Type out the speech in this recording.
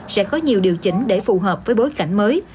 sẽ có nhiều điều chỉnh để phù hợp với bối cảnh mới